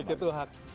break itu hak